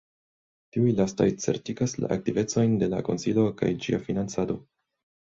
Tiuj lastaj certigas la aktivecojn de la konsilo kaj ĝia financado.